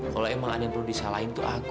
kalau emang ada yang perlu disalahin tuh aku